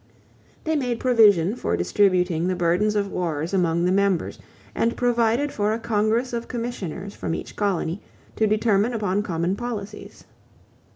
They made provision for distributing the burdens of wars among the members and provided for a congress of commissioners from each colony to determine upon common policies.